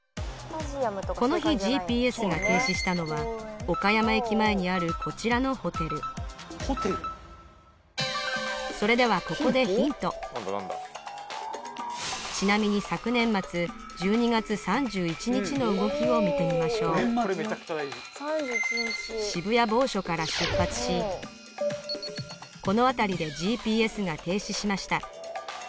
この日ＧＰＳが停止したのは岡山駅前にあるこちらのホテルそれではここでヒントちなみに昨年末１２月３１日の動きを見てみましょう渋谷某所から出発しこの辺りでＧＰＳが停止しました